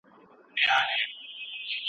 پر کنړ او کندهار یې پنجاب ګرځي